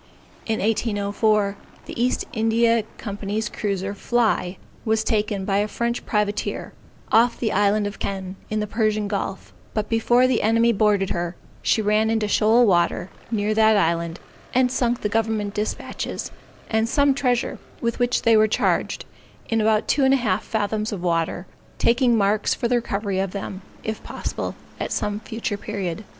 In 1804, the East India Company's cruiser, Fly, was taken by a French privateer, off the Island of Kenn, in the Persian Gulf; but before the enemy boarded her, she ran into shoal water, near that island, and sunk the government dispatches, and some treasure with which they were charged, in about two and a half fathoms of water, taking marks for the recovery of them, if possible, at some future period.